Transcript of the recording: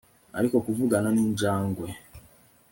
ariko kuvugana ninjangwe !